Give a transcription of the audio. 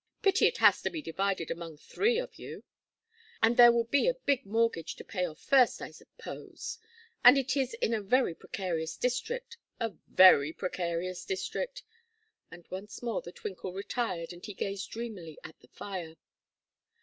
Pity it has to be divided among three of you. And there will be a big mortgage to pay off first, I suppose; and it is in a very precarious district, a very precarious district." And once more the twinkle retired and he gazed dreamily at the fire.